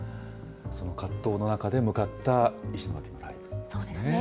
その葛藤の中で向かった石巻のライブですね。